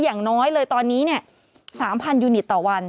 อย่างน้อยเลยตอนนี้๓๐๐ยูนิตต่อวัน